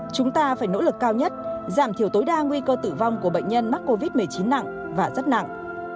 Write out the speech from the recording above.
chúng ta phải nỗ lực cao nhất giảm thiểu tối đa nguy cơ tử vong của bệnh nhân mắc covid một mươi chín nặng và rất nặng